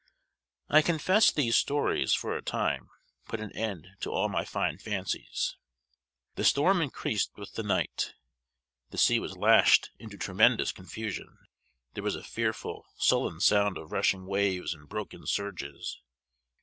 I confess these stories, for a time, put an end to all my fine fancies. The storm increased with the night. The sea was lashed into tremendous confusion. There was a fearful, sullen sound of rushing waves and broken surges.